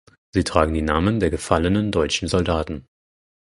Sie tragen die Namen der gefallenen deutschen Soldaten.